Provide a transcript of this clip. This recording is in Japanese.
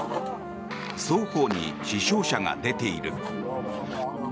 双方に死傷者が出ている。